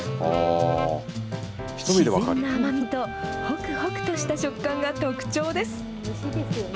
自然な甘みと、ほくほくとした食感が特徴です。